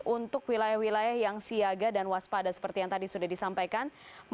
untuk wilayah wilayah yang siaga dan waspada seperti yang tadi sudah disampaikan